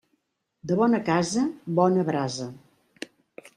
De bona casa, bona brasa.